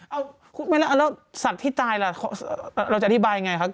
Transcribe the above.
เอ้าแล้วสัตว์ที่ตายเราจะอธิบายอย่างไรคะ